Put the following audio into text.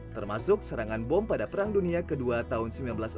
termasuk serangan bom pada perang dunia ii tahun seribu sembilan ratus enam puluh